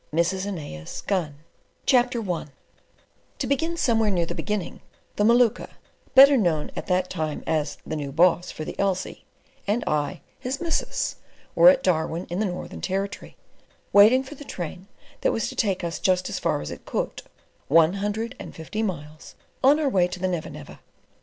WE OF THE NEVER NEVER CHAPTER I To begin somewhere near the beginning, the Maluka—better known at that time as the new Boss for the Elsey—and I, his "missus," were at Darwin, in the Northern Territory, waiting for the train that was to take us just as far as it could—one hundred and fifty miles—on our way to the Never Never.